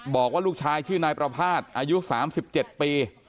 บอกว่าลูกชายชื่อนายประภาษณ์อายุสามสิบเจ็ดปี